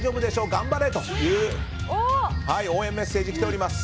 頑張れという応援メッセージ来ております。